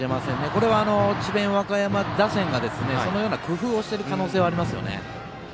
これは智弁和歌山打線がそのような工夫をしている可能性がありますよね。